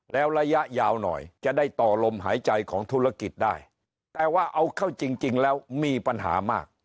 แล้วระยะยาวหน่อยจะได้ต่อลมหายใจของธุรกิจได้แต่ว่าเอาเข้าจริงแล้วมีปัญหามาก